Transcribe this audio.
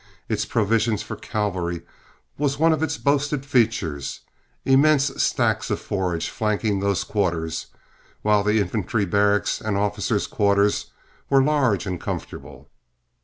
Its provision for cavalry was one of its boasted features, immense stacks of forage flanking those quarters, while the infantry barracks and officers' quarters were large and comfortable.